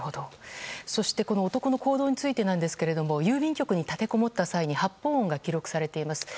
そして男の行動についてですが郵便局に立てこもった際に発砲音が記録されています。